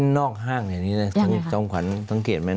นอกห้างในคลั้งสร้างจงขวัญพังเกตไหมคะ